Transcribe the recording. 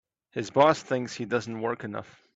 His boss thinks he doesn't work enough.